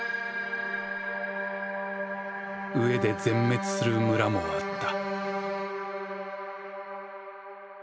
飢えで全滅する村もあった。